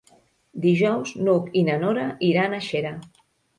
Dijous n'Hug i na Nora iran a Xera.